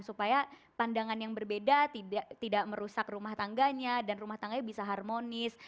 supaya pandangan yang berbeda tidak merusak rumah tangganya dan rumah tangganya bisa harmonis